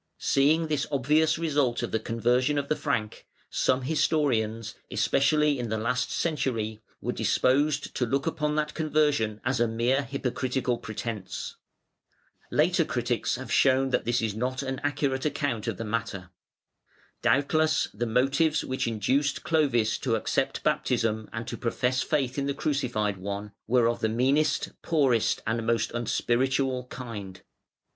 Seeing this obvious result of the conversion of the Frank, some historians, especially in the last century, were disposed to look upon that conversion as a mere hypocritical pretence. Later critics have shown that this is not an accurate account of the matter. Doubtless the motives which induced Clovis to accept baptism and to profess faith in the Crucified One were of the meanest, poorest, and most unspiritual kind.